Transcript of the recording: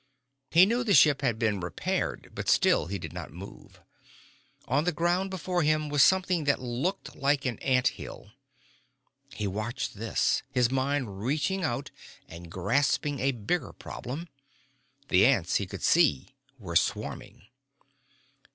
He knew the ship had been repaired but still he did not move. On the ground before him was something that looked like an ant hill. He watched this, his mind reaching out and grasping a bigger problem. The ants, he could see, were swarming.